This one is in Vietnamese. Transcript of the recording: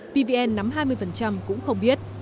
pvn nắm hai mươi cũng không biết